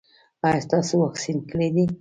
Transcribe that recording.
ایا تاسو واکسین کړی دی؟